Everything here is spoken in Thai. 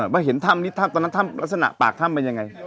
ไปเห็นถ้ำเนี่ยเท่านั้นลักษณะปากถ้ำเป็นยังไง